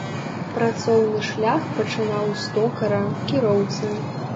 Працоўны шлях пачынаў з токара, кіроўцы.